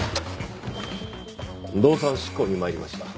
動産執行に参りました。